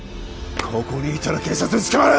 ここにいたら警察に捕まる！